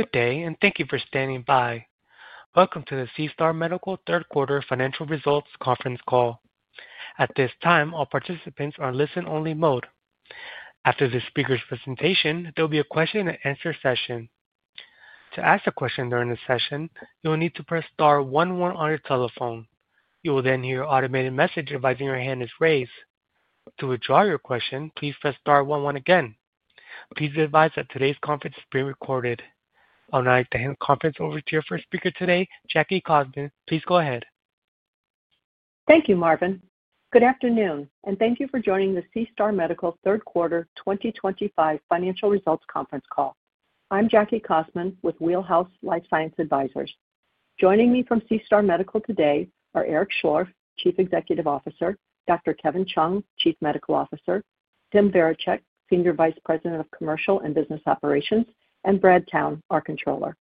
Good day, and thank you for standing by. Welcome to the SeaStar Medical Third Quarter Financial Results Conference Call. At this time, all participants are in listen-only mode. After this speaker's presentation, there will be a question-and-answer session. To ask a question during this session, you will need to press star one-one on your telephone. You will then hear an automated message advising your hand is raised. To withdraw your question, please press star one-one again. Please advise that today's conference is being recorded. I would now like to hand the conference over to your first speaker today, Jackie Cossmon. Please go ahead. Thank you, Marvin. Good afternoon, and thank you for joining the SeaStar Medical Third Quarter 2025 Financial Results Conference Call. I'm Jackie Cossmon with Wheelhouse Life Science Advisors. Joining me from SeaStar Medical today are Eric Schlorff, Chief Executive Officer; Dr. Kevin Chung, Chief Medical Officer; Tim Varacek, Senior Vice President of Commercial and Business Operations; and Brad Town, our Controller.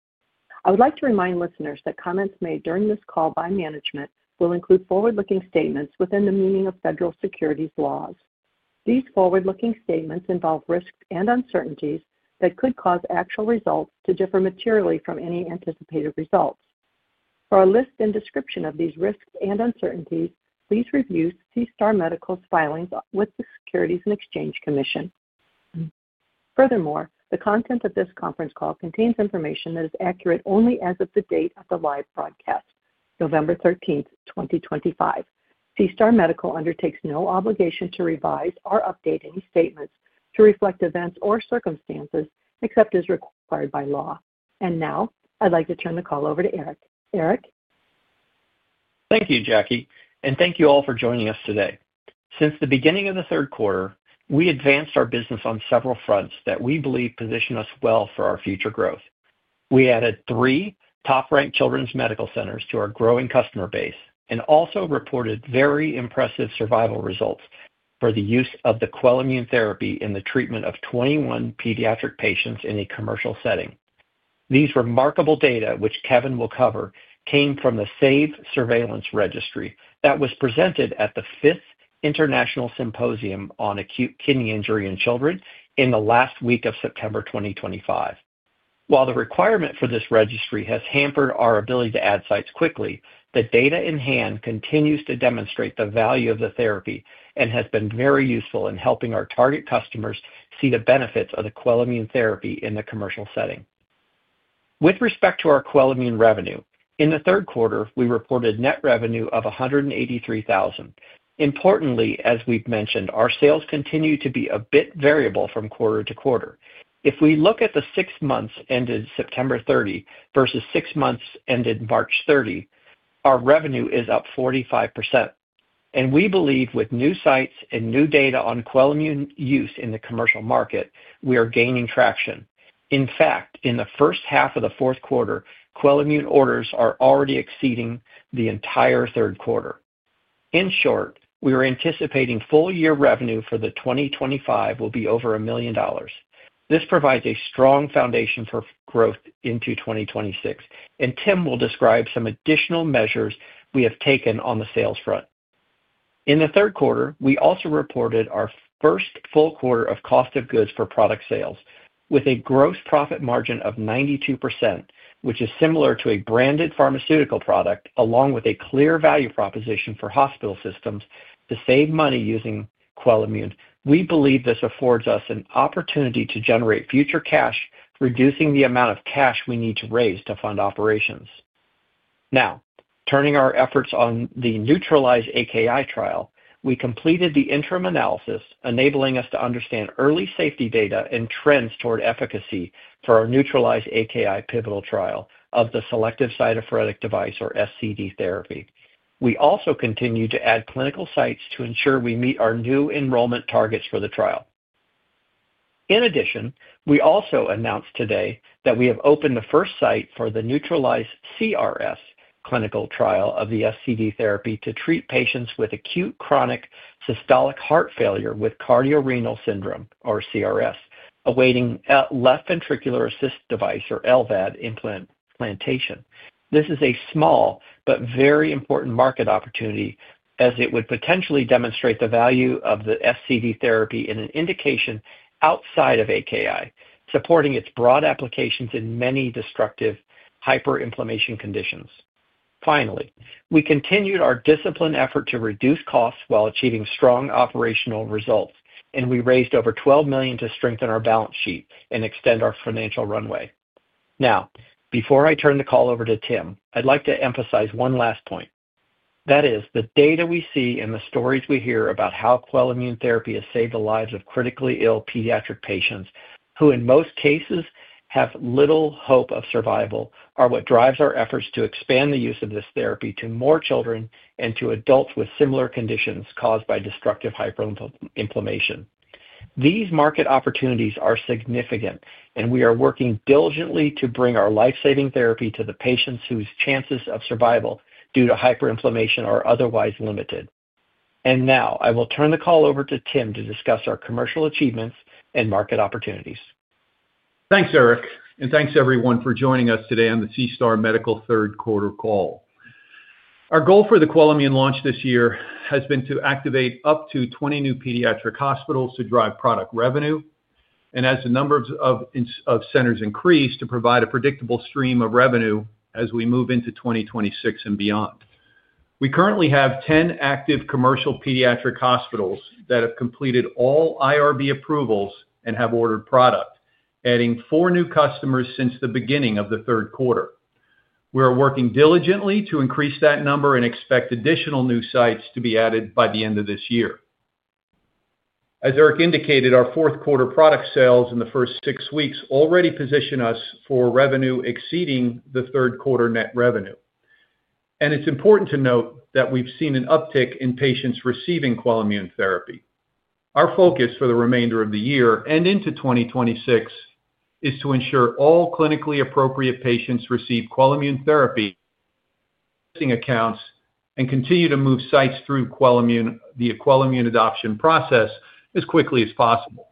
I would like to remind listeners that comments made during this call by management will include forward-looking statements within the meaning of federal securities laws. These forward-looking statements involve risks and uncertainties that could cause actual results to differ materially from any anticipated results. For a list and description of these risks and uncertainties, please review SeaStar Medical's filings with the Securities and Exchange Commission. Furthermore, the content of this conference call contains information that is accurate only as of the date of the live broadcast, November 13th, 2025. SeaStar Medical undertakes no obligation to revise or update any statements to reflect events or circumstances except as required by law. Now, I'd like to turn the call over to Eric. Eric. Thank you, Jackie, and thank you all for joining us today. Since the beginning of the third quarter, we advanced our business on several fronts that we believe position us well for our future growth. We added three top-ranked children's medical centers to our growing customer base and also reported very impressive survival results for the use of the QUELIMMUNE therapy in the treatment of 21 pediatric patients in a commercial setting. These remarkable data, which Kevin will cover, came from the SAVE Surveillance Registry that was presented at the Fifth International Symposium on Acute Kidney Injury in Children in the last week of September 2025. While the requirement for this registry has hampered our ability to add sites quickly, the data in hand continues to demonstrate the value of the therapy and has been very useful in helping our target customers see the benefits of the QUELIMMUNE therapy in the commercial setting. With respect to our QUELIMMUNE revenue, in the third quarter, we reported net revenue of $183,000. Importantly, as we've mentioned, our sales continue to be a bit variable from quarter to quarter. If we look at the six months ended September 30 versus six months ended March 30, our revenue is up 45%. We believe with new sites and new data on QUELIMMUNE use in the commercial market, we are gaining traction. In fact, in the first half of the fourth quarter, QUELIMMUNE orders are already exceeding the entire third quarter. In short, we are anticipating full-year revenue for 2025 will be over $1 million. This provides a strong foundation for growth into 2026, and Tim will describe some additional measures we have taken on the sales front. In the third quarter, we also reported our first full quarter of cost of goods for product sales with a gross profit margin of 92%, which is similar to a branded pharmaceutical product along with a clear value proposition for hospital systems to save money using QUELIMMUNE. We believe this affords us an opportunity to generate future cash, reducing the amount of cash we need to raise to fund operations. Now, turning our efforts on the NEUTRALIZE-AKI trial, we completed the interim analysis, enabling us to understand early safety data and trends toward efficacy for our NEUTRALIZE-AKI pivotal trial of the Selective Cytopheretic Device, or SCD, therapy. We also continue to add clinical sites to ensure we meet our new enrollment targets for the trial. In addition, we also announced today that we have opened the first site for the NEUTRALIZE-AKI trial CRS clinical trial of the SCD therapy to treat patients with acute chronic systolic heart failure with cardiorenal syndrome, or CRS, awaiting left ventricular assist device, or LVAD, implantation. This is a small but very important market opportunity as it would potentially demonstrate the value of the SCD therapy in an indication outside of AKI, supporting its broad applications in many destructive hyperinflammation conditions. Finally, we continued our disciplined effort to reduce costs while achieving strong operational results, and we raised over $12 million to strengthen our balance sheet and extend our financial runway. Now, before I turn the call over to Tim, I'd like to emphasize one last point. That is, the data we see and the stories we hear about how QUELIMMUNE therapy has saved the lives of critically ill pediatric patients who, in most cases, have little hope of survival are what drives our efforts to expand the use of this therapy to more children and to adults with similar conditions caused by destructive hyperinflammation. These market opportunities are significant, and we are working diligently to bring our life-saving therapy to the patients whose chances of survival due to hyperinflammation are otherwise limited. I will turn the call over to Tim to discuss our commercial achievements and market opportunities. Thanks, Eric, and thanks, everyone, for joining us today on the SeaStar Medical Third Quarter Call. Our goal for the QUELIMMUNE launch this year has been to activate up to 20 new pediatric hospitals to drive product revenue, and as the number of centers increase, to provide a predictable stream of revenue as we move into 2026 and beyond. We currently have 10 active commercial pediatric hospitals that have completed all IRB approvals and have ordered product, adding four new customers since the beginning of the third quarter. We are working diligently to increase that number and expect additional new sites to be added by the end of this year. As Eric indicated, our fourth quarter product sales in the first six weeks already position us for revenue exceeding the third quarter net revenue. It's important to note that we've seen an uptick in patients receiving QUELIMMUNE therapy. Our focus for the remainder of the year and into 2026 is to ensure all clinically appropriate patients receive QUELIMMUNE therapy accounts and continue to move sites through the QUELIMMUNE adoption process as quickly as possible.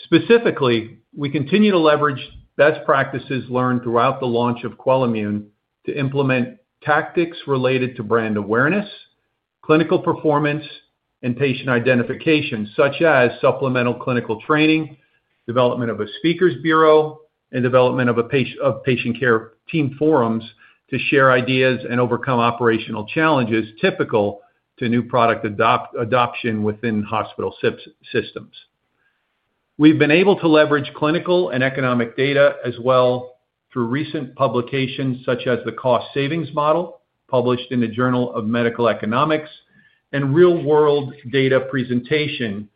Specifically, we continue to leverage best practices learned throughout the launch of QUELIMMUNE to implement tactics related to brand awareness, clinical performance, and patient identification, such as supplemental clinical training, development of a speaker's bureau, and development of patient care team forums to share ideas and overcome operational challenges typical to new product adoption within hospital systems. We've been able to leverage clinical and economic data as well through recent publications such as the Cost Savings Model published in the Journal of Medical Economics and real-world data presentation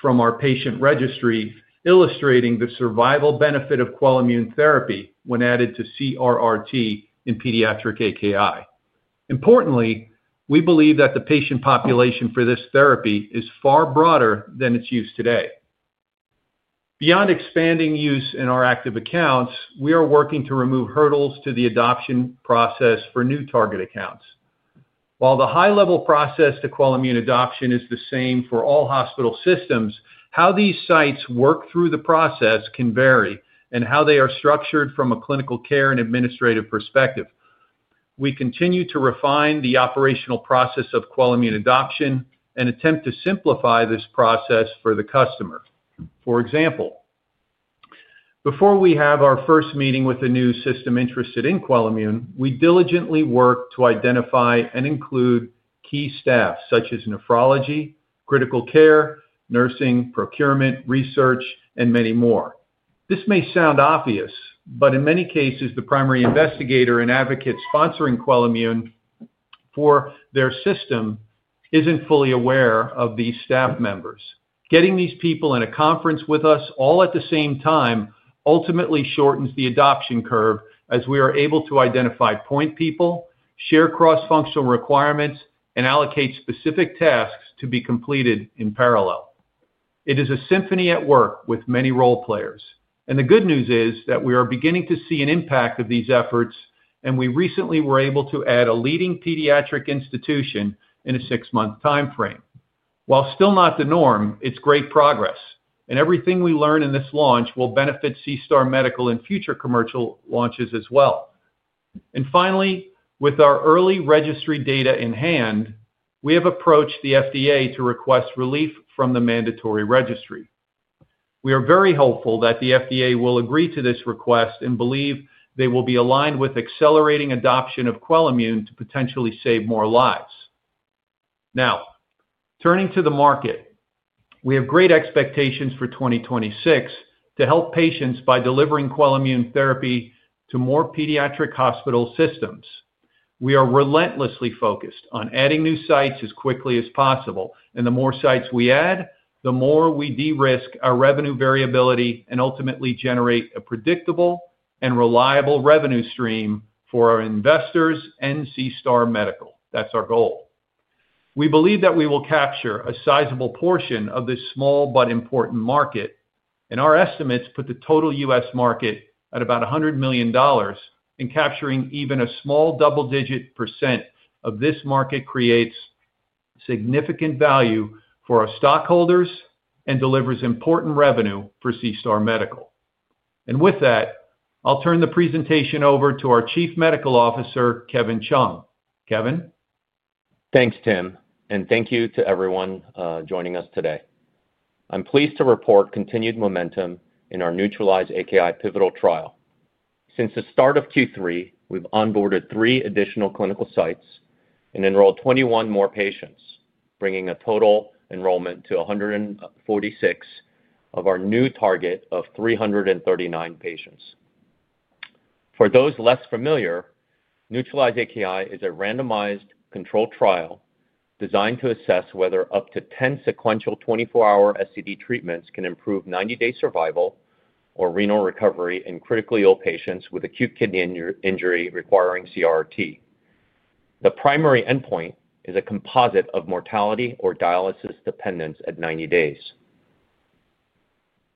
from our patient registry illustrating the survival benefit of QUELIMMUNE therapy when added to CRRT in pediatric AKI. Importantly, we believe that the patient population for this therapy is far broader than its use today. Beyond expanding use in our active accounts, we are working to remove hurdles to the adoption process for new target accounts. While the high-level process to QUELIMMUNE adoption is the same for all hospital systems, how these sites work through the process can vary and how they are structured from a clinical care and administrative perspective. We continue to refine the operational process of QUELIMMUNE adoption and attempt to simplify this process for the customer. For example, before we have our first meeting with a new system interested in QUELIMMUNE, we diligently work to identify and include key staff such as nephrology, critical care, nursing, procurement, research, and many more. This may sound obvious, but in many cases, the primary investigator and advocate sponsoring QUELIMMUNE for their system is not fully aware of these staff members. Getting these people in a conference with us all at the same time ultimately shortens the adoption curve as we are able to identify point people, share cross-functional requirements, and allocate specific tasks to be completed in parallel. It is a symphony at work with many role players. The good news is that we are beginning to see an impact of these efforts, and we recently were able to add a leading pediatric institution in a six-month timeframe. While still not the norm, it is great progress, and everything we learn in this launch will benefit SeaStar Medical in future commercial launches as well. Finally, with our early registry data in hand, we have approached the FDA to request relief from the mandatory registry. We are very hopeful that the FDA will agree to this request and believe they will be aligned with accelerating adoption of QUELIMMUNE to potentially save more lives. Now, turning to the market, we have great expectations for 2026 to help patients by delivering QUELIMMUNE therapy to more pediatric hospital systems. We are relentlessly focused on adding new sites as quickly as possible, and the more sites we add, the more we de-risk our revenue variability and ultimately generate a predictable and reliable revenue stream for our investors and SeaStar Medical. That's our goal. We believe that we will capture a sizable portion of this small but important market, and our estimates put the total U.S. market at about $100 million. In capturing even a small double-digit % of this market creates significant value for our stockholders and delivers important revenue for SeaStar Medical. With that, I'll turn the presentation over to our Chief Medical Officer, Kevin Chung. Kevin. Thanks, Tim, and thank you to everyone joining us today. I'm pleased to report continued momentum in our NEUTRALIZE-AKI pivotal trial. Since the start of Q3, we've onboarded three additional clinical sites and enrolled 21 more patients, bringing a total enrollment to 146 of our new target of 339 patients. For those less familiar, NEUTRALIZE-AKI is a randomized controlled trial designed to assess whether up to 10 sequential 24-hour SCD treatments can improve 90-day survival or renal recovery in critically ill patients with acute kidney injury requiring CRRT. The primary endpoint is a composite of mortality or dialysis dependence at 90 days.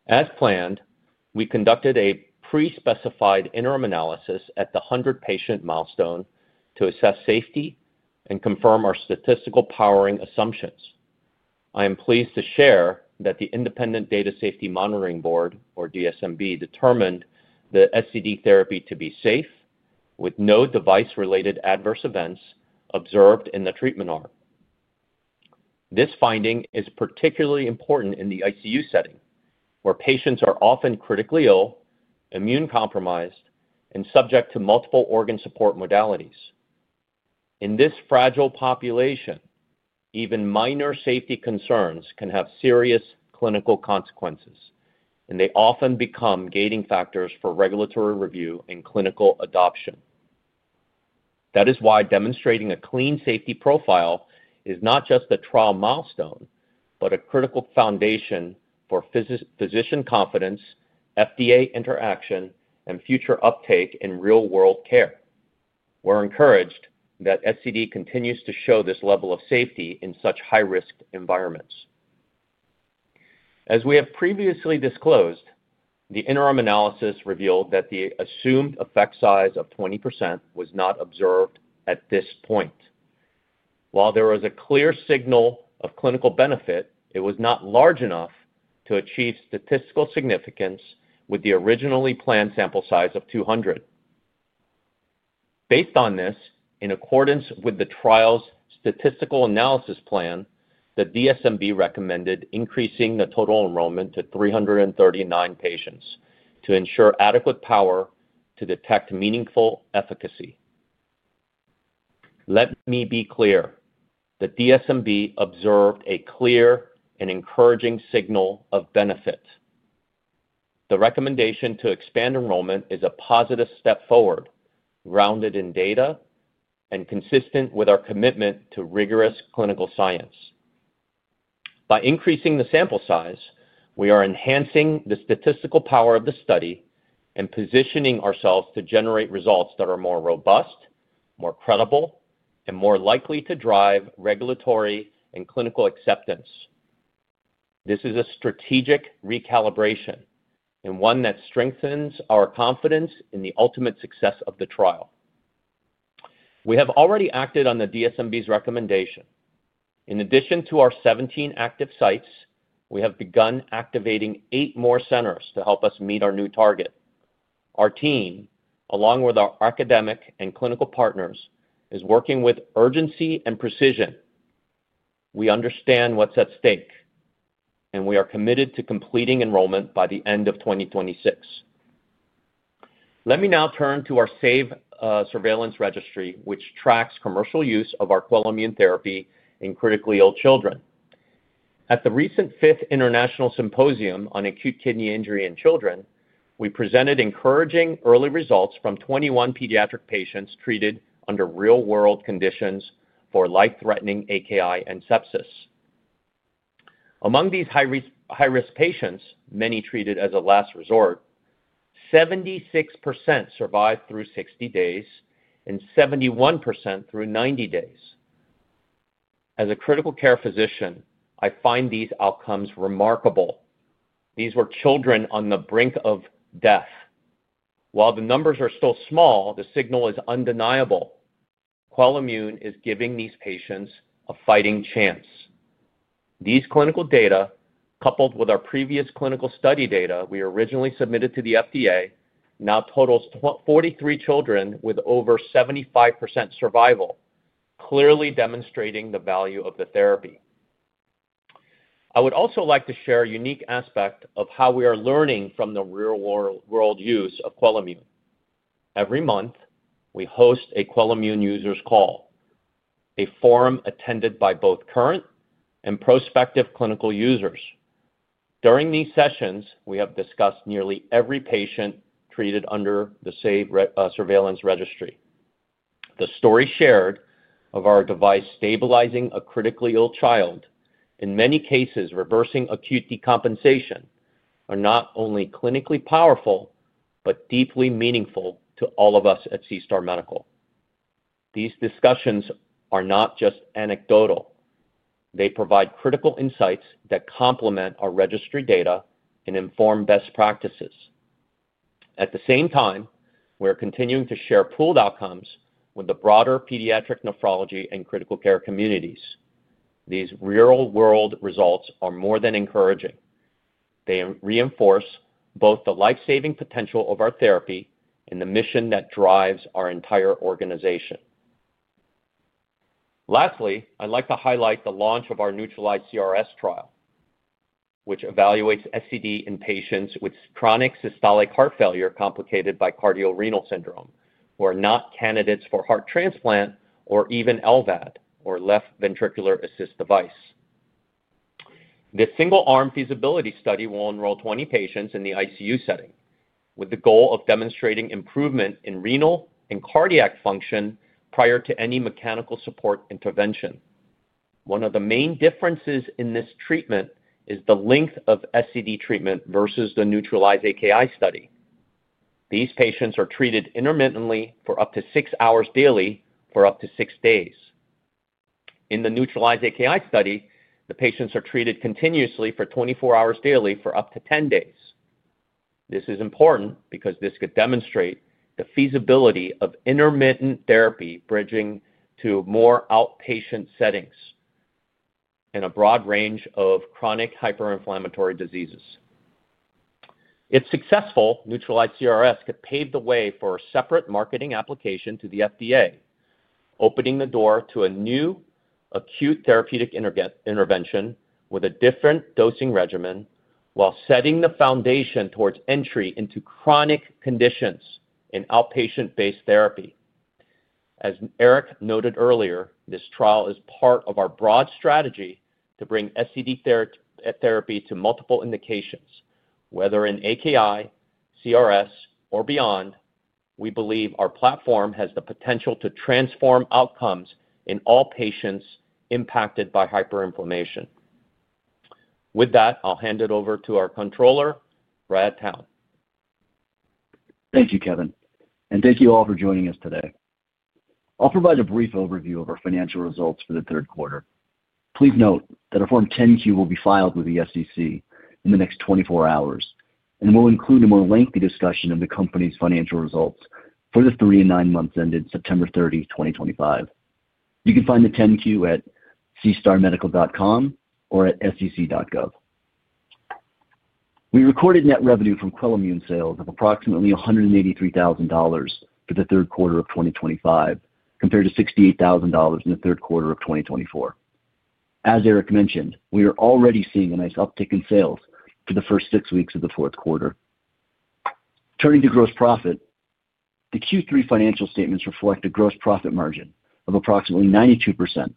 As planned, we conducted a pre-specified interim analysis at the 100-patient milestone to assess safety and confirm our statistical powering assumptions. I am pleased to share that the Independent Data Safety Monitoring Board, or DSMB, determined the SCD therapy to be safe with no device-related adverse events observed in the treatment arc. This finding is particularly important in the ICU setting, where patients are often critically ill, immune compromised, and subject to multiple organ support modalities. In this fragile population, even minor safety concerns can have serious clinical consequences, and they often become gating factors for regulatory review and clinical adoption. That is why demonstrating a clean safety profile is not just a trial milestone, but a critical foundation for physician confidence, FDA interaction, and future uptake in real-world care. We're encouraged that SCD continues to show this level of safety in such high-risk environments. As we have previously disclosed, the interim analysis revealed that the assumed effect size of 20% was not observed at this point. While there was a clear signal of clinical benefit, it was not large enough to achieve statistical significance with the originally planned sample size of 200. Based on this, in accordance with the trial's statistical analysis plan, the DSMB recommended increasing the total enrollment to 339 patients to ensure adequate power to detect meaningful efficacy. Let me be clear: the DSMB observed a clear and encouraging signal of benefit. The recommendation to expand enrollment is a positive step forward, grounded in data and consistent with our commitment to rigorous clinical science. By increasing the sample size, we are enhancing the statistical power of the study and positioning ourselves to generate results that are more robust, more credible, and more likely to drive regulatory and clinical acceptance. This is a strategic recalibration and one that strengthens our confidence in the ultimate success of the trial. We have already acted on the DSMB's recommendation. In addition to our 17 active sites, we have begun activating eight more centers to help us meet our new target. Our team, along with our academic and clinical partners, is working with urgency and precision. We understand what's at stake, and we are committed to completing enrollment by the end of 2026. Let me now turn to our SAVE Surveillance Registry, which tracks commercial use of our QUELIMMUNE therapy in critically ill children. At the recent Fifth International Symposium on Acute Kidney Injury in Children, we presented encouraging early results from 21 pediatric patients treated under real-world conditions for life-threatening AKI and sepsis. Among these high-risk patients, many treated as a last resort, 76% survived through 60 days and 71% through 90 days. As a critical care physician, I find these outcomes remarkable. These were children on the brink of death. While the numbers are still small, the signal is undeniable. QUELIMMUNE is giving these patients a fighting chance. These clinical data, coupled with our previous clinical study data we originally submitted to the FDA, now totals 43 children with over 75% survival, clearly demonstrating the value of the therapy. I would also like to share a unique aspect of how we are learning from the real-world use of QUELIMMUNE. Every month, we host a QUELIMMUNE user's call, a forum attended by both current and prospective clinical users. During these sessions, we have discussed nearly every patient treated under the SAVE Surveillance Registry. The story shared of our device stabilizing a critically ill child, in many cases reversing acute decompensation, are not only clinically powerful but deeply meaningful to all of us at SeaStar Medical. These discussions are not just anecdotal. They provide critical insights that complement our registry data and inform best practices. At the same time, we are continuing to share pooled outcomes with the broader pediatric nephrology and critical care communities. These real-world results are more than encouraging. They reinforce both the life-saving potential of our therapy and the mission that drives our entire organization. Lastly, I'd like to highlight the launch of our NEUTRALIZE-CRS trial, which evaluates SCD in patients with chronic systolic heart failure complicated by cardiorenal syndrome, who are not candidates for heart transplant or even LVAD, or left ventricular assist device. This single-arm feasibility study will enroll 20 patients in the ICU setting with the goal of demonstrating improvement in renal and cardiac function prior to any mechanical support intervention. One of the main differences in this treatment is the length of SCD treatment versus the NEAUTRALIZE-AKI study. These patients are treated intermittently for up to six hours daily for up to six days. In the NEUTRALIZE-AKI study, the patients are treated continuously for 24 hours daily for up to 10 days. This is important because this could demonstrate the feasibility of intermittent therapy bridging to more outpatient settings in a broad range of chronic hyperinflammatory diseases. If successful, NEUTRALIZE-CRS could pave the way for a separate marketing application to the FDA, opening the door to a new acute therapeutic intervention with a different dosing regimen while setting the foundation towards entry into chronic conditions in outpatient-based therapy. As Eric noted earlier, this trial is part of our broad strategy to bring SCD therapy to multiple indications, whether in AKI, CRS, or beyond. We believe our platform has the potential to transform outcomes in all patients impacted by hyperinflammation. With that, I'll hand it over to our Controller, Brad Town. Thank you, Kevin, and thank you all for joining us today. I'll provide a brief overview of our financial results for the third quarter. Please note that a Form 10-Q will be filed with the SEC in the next 24 hours and will include a more lengthy discussion of the company's financial results for the three and nine months ended September 30, 2025. You can find the 10-Q at seastarmedical.com or at sec.gov. We recorded net revenue from QUELIMMUNE sales of approximately $183,000 for the third quarter of 2025, compared to $68,000 in the third quarter of 2024. As Eric mentioned, we are already seeing a nice uptick in sales for the first six weeks of the fourth quarter. Turning to gross profit, the Q3 financial statements reflect a gross profit margin of approximately 92%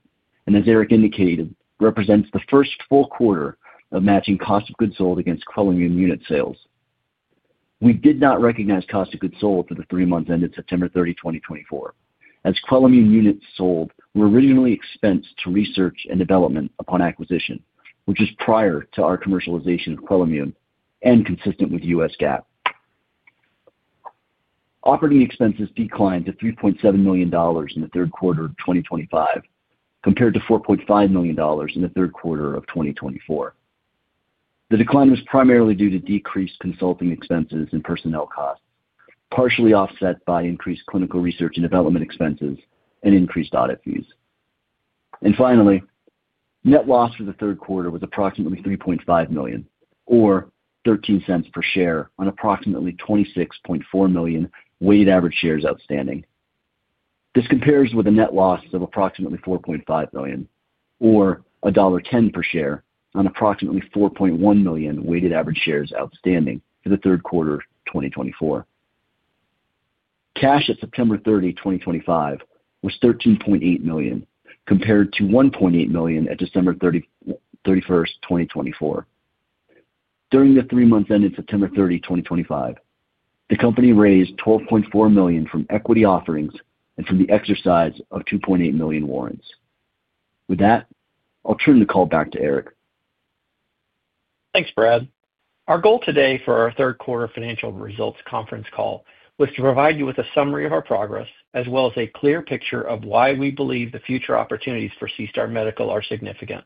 and, as Eric indicated, represents the first full quarter of matching cost of goods sold against QUELIMMUNE unit sales. We did not recognize cost of goods sold for the three months ended September 30, 2024, as QUELIMMUNE units sold were originally expensed to research and development upon acquisition, which is prior to our commercialization of QUELIMMUNE and consistent with U.S. GAAP. Operating expenses declined to $3.7 million in the third quarter of 2025, compared to $4.5 million in the third quarter of 2024. The decline was primarily due to decreased consulting expenses and personnel costs, partially offset by increased clinical research and development expenses and increased audit fees. Finally, net loss for the third quarter was approximately $3.5 million, or $0.13 per share on approximately 26.4 million weighted average shares outstanding. This compares with a net loss of approximately $4.5 million, or $1.10 per share on approximately 4.1 million weighted average shares outstanding for the third quarter of 2024. Cash at September 30, 2025, was $13.8 million, compared to $1.8 million at December 31st, 2024. During the three months ended September 30, 2025, the company raised $12.4 million from equity offerings and from the exercise of $2.8 million warrants. With that, I'll turn the call back to Eric. Thanks, Brad. Our goal today for our third quarter financial results conference call was to provide you with a summary of our progress as well as a clear picture of why we believe the future opportunities for SeaStar Medical are significant.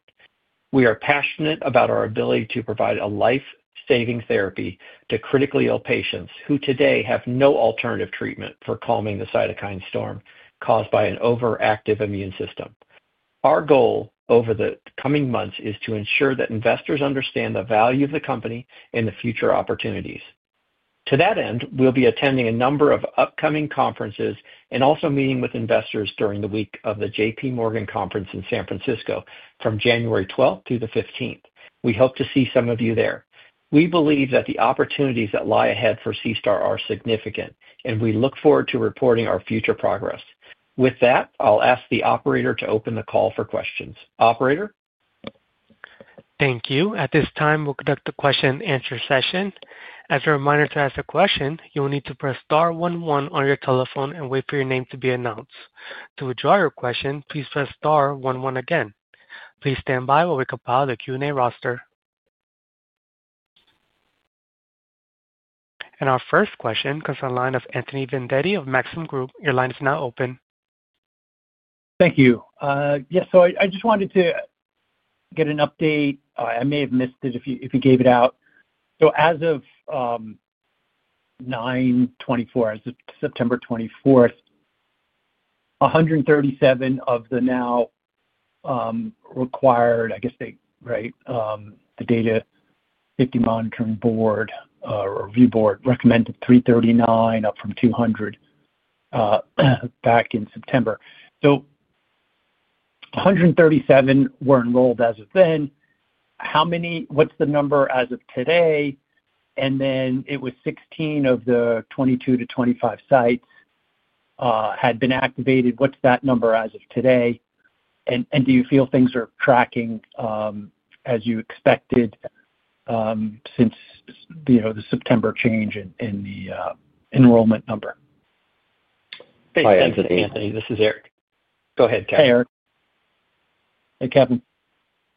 We are passionate about our ability to provide a life-saving therapy to critically ill patients who today have no alternative treatment for calming the cytokine storm caused by an overactive immune system. Our goal over the coming months is to ensure that investors understand the value of the company and the future opportunities. To that end, we'll be attending a number of upcoming conferences and also meeting with investors during the week of the JPMorgan Conference in San Francisco from January 12th through the 15th. We hope to see some of you there. We believe that the opportunities that lie ahead for SeaStar are significant, and we look forward to reporting our future progress. With that, I'll ask the operator to open the call for questions. Operator? Thank you. At this time, we'll conduct the question-and-answer session. As a reminder to ask a question, you'll need to press star one-one on your telephone and wait for your name to be announced. To withdraw your question, please press star one-one again. Please stand by while we compile the Q&A roster. Our first question comes on the line of Anthony Vendetti of Maxim Group. Your line is now open. Thank you. Yeah, so I just wanted to get an update. I may have missed it if you gave it out. As of September 24th, 137 of the now required, I guess they, right, the Data Safety Monitoring Board or review board recommended 339, up from 200 back in September. So 137 were enrolled as of then. What's the number as of today? It was 16 of the 22-25 sites had been activated. What's that number as of today? Do you feel things are tracking as you expected since the September change in the enrollment number? Hi, Anthony. Hi, Anthony. This is Eric. Go ahead, Kevin. Hi, Eric. Hey, Kevin.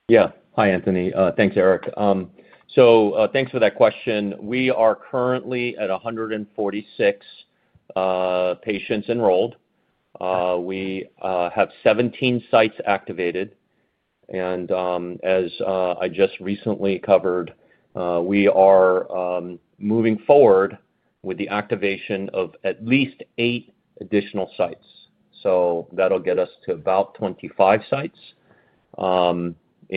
Yeah. Hi, Anthony. Thanks, Eric. Thanks for that question. We are currently at 146 patients enrolled. We have 17 sites activated. As I just recently covered, we are moving forward with the activation of at least eight additional sites. That will get us to about 25 sites. We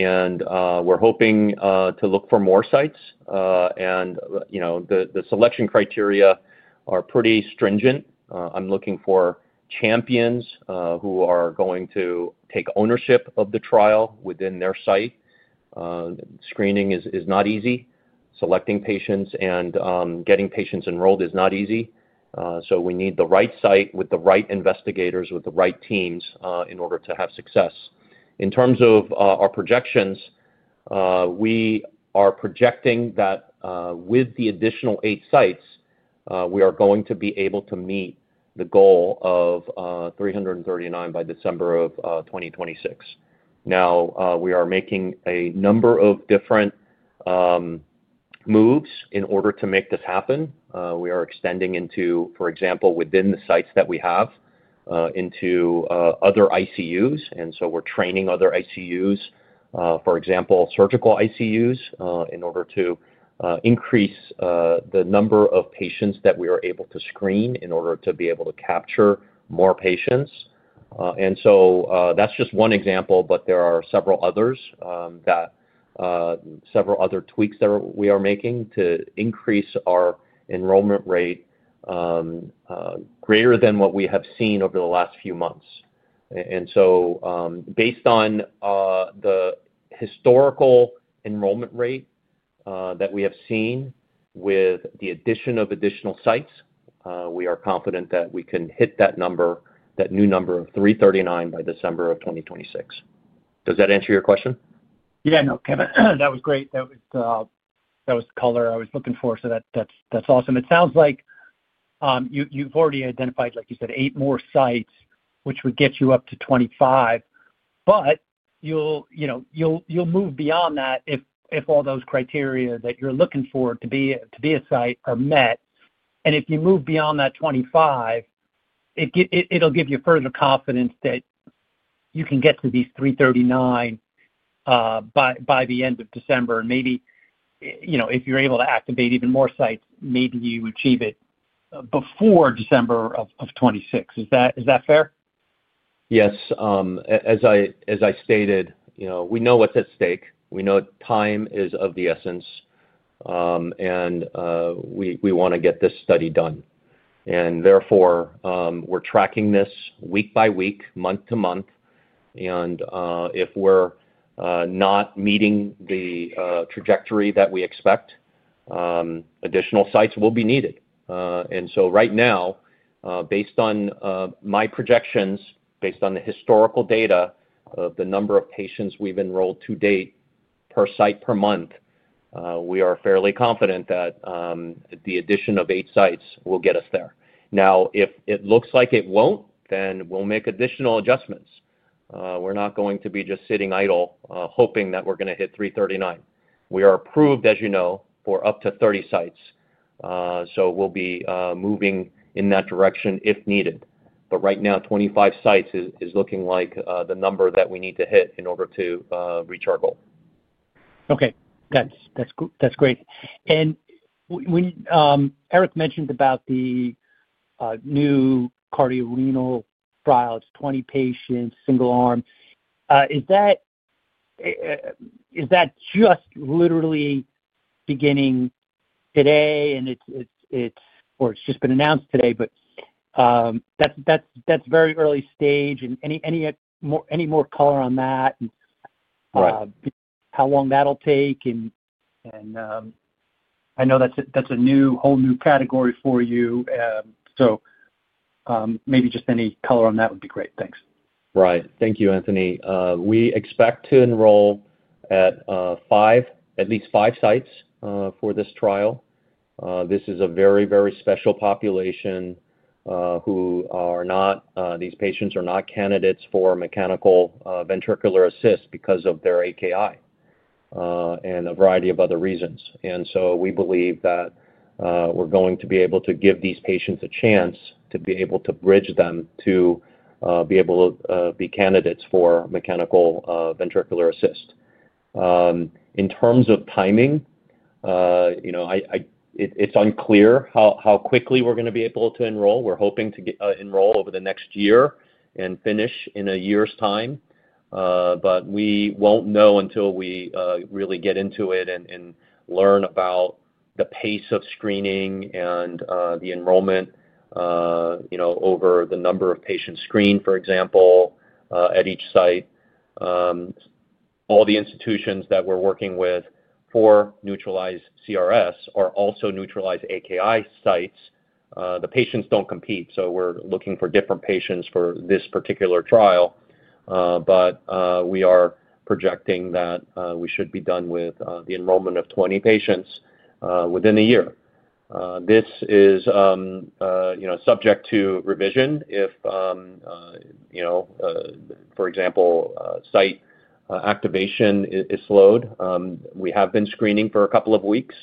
are hoping to look for more sites. The selection criteria are pretty stringent. I am looking for champions who are going to take ownership of the trial within their site. Screening is not easy. Selecting patients and getting patients enrolled is not easy. We need the right site with the right investigators, with the right teams in order to have success. In terms of our projections, we are projecting that with the additional eight sites, we are going to be able to meet the goal of 339 by December of 2026. Now, we are making a number of different moves in order to make this happen. We are extending into, for example, within the sites that we have, into other ICUs. We are training other ICUs, for example, surgical ICUs, in order to increase the number of patients that we are able to screen in order to be able to capture more patients. That is just one example, but there are several others, several other tweaks that we are making to increase our enrollment rate greater than what we have seen over the last few months. Based on the historical enrollment rate that we have seen with the addition of additional sites, we are confident that we can hit that new number of 339 by December of 2026. Does that answer your question? Yeah, no, Kevin. That was great. That was the color I was looking for. That is awesome. It sounds like you've already identified, like you said, eight more sites, which would get you up to 25. You will move beyond that if all those criteria that you're looking for to be a site are met. If you move beyond that 25, it will give you further confidence that you can get to these 339 by the end of December. Maybe if you're able to activate even more sites, maybe you achieve it before December of 2026. Is that fair? Yes. As I stated, we know what's at stake. We know time is of the essence. We want to get this study done. Therefore, we're tracking this week by week, month to month. If we're not meeting the trajectory that we expect, additional sites will be needed. Right now, based on my projections, based on the historical data of the number of patients we've enrolled to date per site per month, we are fairly confident that the addition of eight sites will get us there. If it looks like it won't, then we'll make additional adjustments. We're not going to be just sitting idle hoping that we're going to hit 339. We are approved, as you know, for up to 30 sites. We'll be moving in that direction if needed. Right now, 25 sites is looking like the number that we need to hit in order to reach our goal. Okay. That's great. Eric mentioned about the new cardiorenal trials, 20 patients, single arm. Is that just literally beginning today? Or it's just been announced today, but that's very early stage. Any more color on that and how long that'll take? I know that's a whole new category for you. Maybe just any color on that would be great. Thanks. Right. Thank you, Anthony. We expect to enroll at least five sites for this trial. This is a very, very special population who are not, these patients are not candidates for mechanical ventricular assist because of their AKI and a variety of other reasons. We believe that we're going to be able to give these patients a chance to be able to bridge them to be able to be candidates for mechanical ventricular assist. In terms of timing, it's unclear how quickly we're going to be able to enroll. We're hoping to enroll over the next year and finish in a year's time. We won't know until we really get into it and learn about the pace of screening and the enrollment over the number of patients screened, for example, at each site. All the institutions that we're working with for NEUTRALIZE-CRS are also NEUTRALIZE-AKI sites. The patients don't compete. So we're looking for different patients for this particular trial. But we are projecting that we should be done with the enrollment of 20 patients within a year. This is subject to revision if, for example, site activation is slowed. We have been screening for a couple of weeks,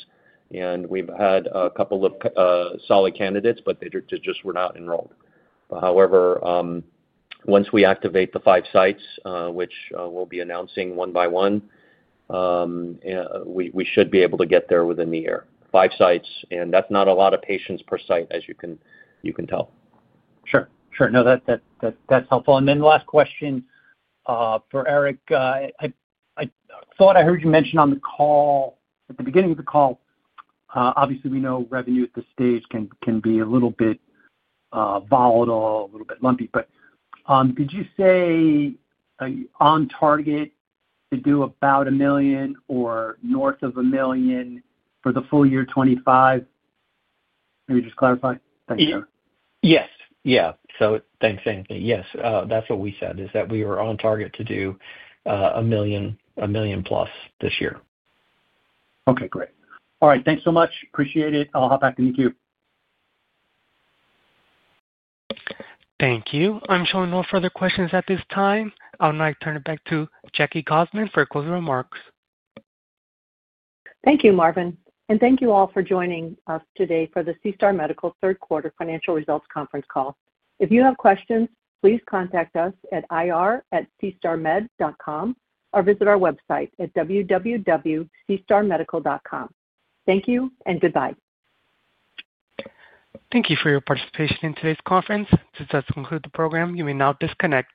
and we've had a couple of solid candidates, but they just were not enrolled. However, once we activate the five sites, which we'll be announcing one by one, we should be able to get there within the year. Five sites. And that's not a lot of patients per site, as you can tell. Sure. Sure. No, that's helpful. Then the last question for Eric. I thought I heard you mention at the beginning of the call, obviously, we know revenue at this stage can be a little bit volatile, a little bit lumpy. Could you say on target to do about $1 million or north of $1 million for the full year 2025? Maybe just clarify. Thank you. Yes. Yeah. So thanks, Anthony. Yes. That's what we said, is that we were on target to do a million plus this year. Okay. Great. All right. Thanks so much. Appreciate it. I'll hop back to meet you. Thanck you. I'm showing no further questions at this time. I'll now turn it back to Jackie Cossman for closing remarks. Thank you, Marvin. Thank you all for joining us today for the SeaStar Medical Third Quarter Financial Results Conference Call. If you have questions, please contact us at ir@seastarmed.com or visit our website at www.seastarmedical.com. Thank you and goodbye. Thank you for your participation in today's conference. This does conclude the program. You may now disconnect.